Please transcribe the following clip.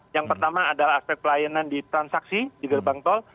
yang pertama adalah aspek pelayanan di transaksi di gerbang tol